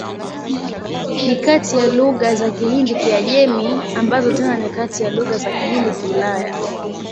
Ni kati ya lugha za Kihindi-Kiajemi, ambazo tena ni kati ya lugha za Kihindi-Kiulaya.